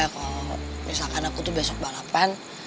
kalau misalkan aku tuh besok balapan